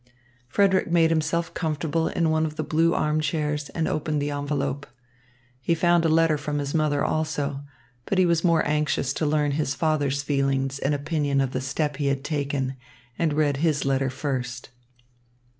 Frederick made himself comfortable in one of the blue arm chairs, and opened the envelope. He found a letter from his mother also. But he was more anxious to learn his father's feelings and opinion of the step he had taken, and he read his letter first.